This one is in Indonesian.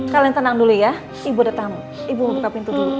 kalian tenang dulu ya ibu ada tamu ibu membuka pintu dulu